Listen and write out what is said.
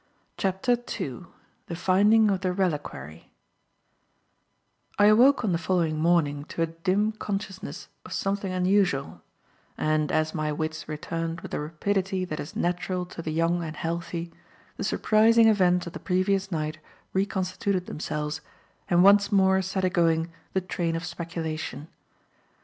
CHAPTER II THE FINDING OF THE RELIQUARY I AWOKE on the following morning to a dim consciousness of something unusual, and, as my wits returned with the rapidity that is natural to the young and healthy, the surprising events of the previous night reconstituted themselves and once more set a going the train of speculation.